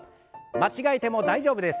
間違えても大丈夫です。